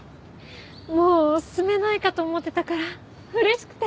もう住めないかと思ってたから嬉しくて。